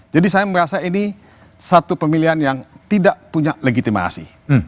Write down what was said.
jadi saya merasa ini satu pemilihan yang tidak punya legitimasi